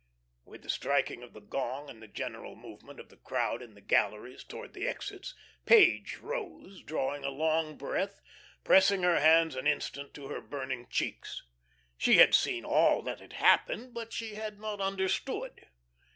With the striking of the gong, and the general movement of the crowd in the galleries towards the exits, Page rose, drawing a long breath, pressing her hands an instant to her burning cheeks. She had seen all that had happened, but she had not understood.